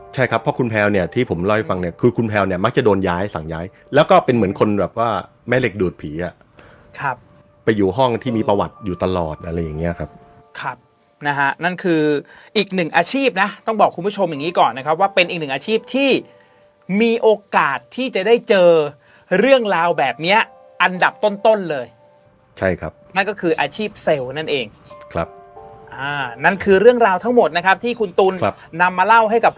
สั่งย้ายสั่งย้ายแล้วก็เป็นเหมือนคนแบบว่าแม่เหล็กดูดผีอ่ะครับไปอยู่ห้องที่มีประวัติอยู่ตลอดอะไรอย่างนี้ครับครับนะฮะนั่นคืออีกหนึ่งอาชีพนะต้องบอกคุณผู้ชมอย่างนี้ก่อนนะครับว่าเป็นอีกหนึ่งอาชีพที่มีโอกาสที่จะได้เจอเรื่องราวแบบเนี้ยอันดับต้นต้นเลยใช่ครับนั่นก็คืออาชีพเซลล์นั่นเองครับอ